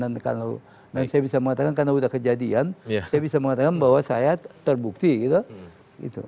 dan kalau saya bisa mengatakan karena sudah kejadian saya bisa mengatakan bahwa saya terbukti gitu